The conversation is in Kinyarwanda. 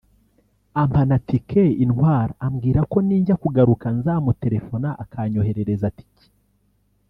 ampa na ticket intwara ambwira ko ninjya kugaruka nzamuterefona akanyoherereza ticket